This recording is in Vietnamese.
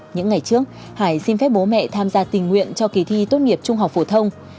những ngày trước hải xin phép bố mẹ tham gia tình nguyện cho kỳ thi tốt nghiệp trung học phổ thông